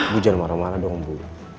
bu jangan marah marah dong bu